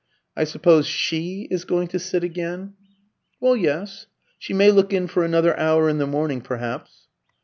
"I suppose she is going to sit again?" "Well, yes; she may look in for another hour in the morning perhaps."